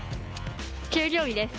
給料日です。